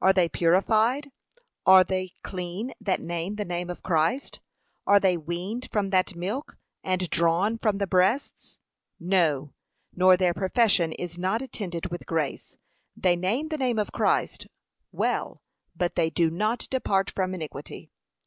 Are they purified, are they clean that name the name of Christ? are they weaned from that milk, and drawn from the breasts? No, nor their profession is not attended with grace; they name the name of Christ; well, but they do not depart from iniquity.